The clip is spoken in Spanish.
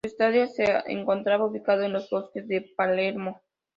Su estadio se encontraba ubicado en los bosques de Palermo.